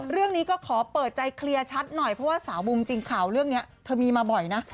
เรื่องนี้ก็ขอเปิดใจเคลียร์ชัดหน่อยเพราะว่าสาวบูมจริงข่าวเรื่องนี้เธอมีมาบ่อยนะ